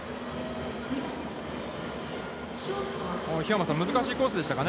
桧山さん、難しいコースでしたか。